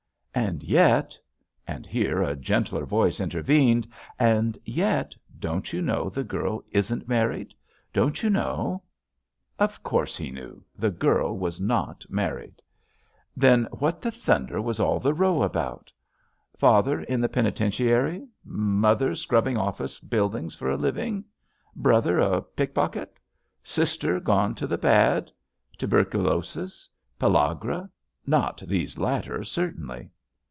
And yet — and here a gentler roice intervened — and yet, don't you know rhe girl isn't' married ? Don't you know ?^ jUST SWEETHEARTS Of course he knew, the girl was not mar ried I Then what the thunder was all the row about? Father in the penitentiary? Mother scrubbing office buildings for a living? Brother a pickpocket? Sister gone to the bad? Tuberculosis? Pellagra? Not these latter, certainly.